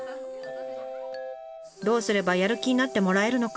どうすればやる気になってもらえるのか？